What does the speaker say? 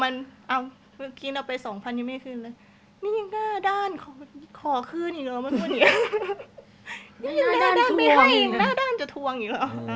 หน้าด้านไม่ให้หน้าด้านจะทวงอีกเหรอ